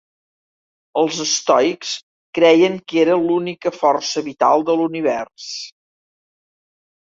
Els estoics creien que era l'única força vital de l'univers.